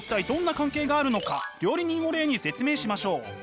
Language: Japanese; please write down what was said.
料理人を例に説明しましょう。